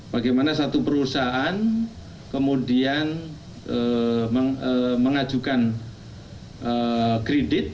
bagaimana satu perusahaan kemudian mengajukan kredit